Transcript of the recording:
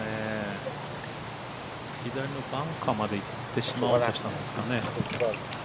左のバンカーまで行ってしまおうとしたんですかね。